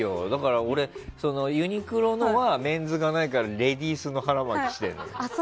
俺、ユニクロはメンズがないからレディースのをしてる。